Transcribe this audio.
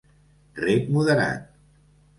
Reg moderat.